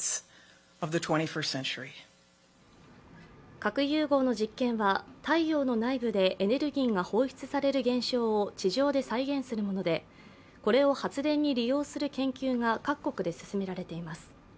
核融合の実験は太陽の内部でエネルギーが放出される現象を地上で再現するものでこれを発電に利用する研究が各国で進められています。